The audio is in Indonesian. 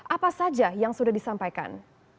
apa saja yang sudah disampaikan